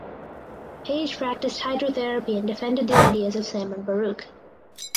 Page practiced hydrotherapy and defended the ideas of Simon Baruch.